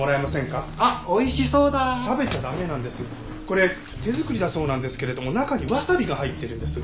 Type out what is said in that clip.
これ手作りだそうなんですけれども中にわさびが入ってるんです。